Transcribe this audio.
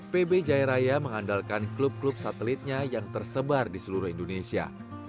pb jaya raya mengandalkan klub klub satelitnya yang tersebar di seluruh indonesia